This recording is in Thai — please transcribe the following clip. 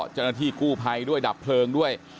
เจ้าหน้าที่กู้ภัยด้วยดับเพลิงด้วย